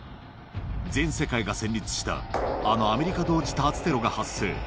全世界が戦りつしたあのアメリカ同時多発テロが発生。